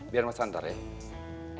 biar mas antar ya